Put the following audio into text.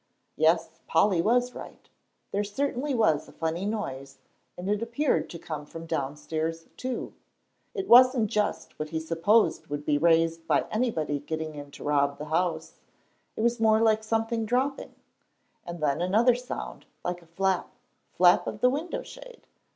Yes, Polly was right, there certainly was a funny noise, and it appeared to come from downstairs, too. It wasn't just what he supposed would be raised by anybody getting in to rob the house; it was more like something dropping; and then another sound, like a flap, flap of the window shade.